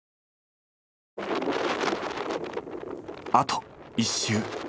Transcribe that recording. あと１周。